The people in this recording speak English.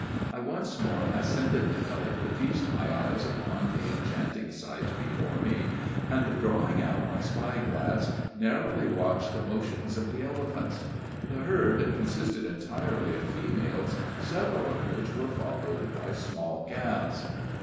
I once more ascended the hillock to feast my eyes upon the enchanting sight before me, and, drawing out my spy glass, narrowly watched the motions of the elephants. The herd consisted entirely of females, several of which were followed by small calves.